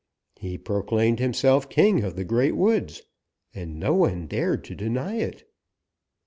He proclaimed himself king of the Great Woods, and no one dared to deny it.